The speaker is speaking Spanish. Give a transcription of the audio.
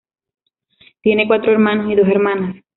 Tiene cuatro hermanos y dos hermanas.